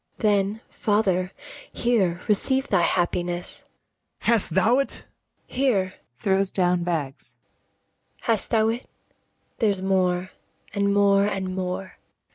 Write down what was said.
Then, father, here receive thy happiness. BARABAS. Hast thou't? ABIGAIL. Here.[throws down bags] Hast thou't? There's more, and more, and more.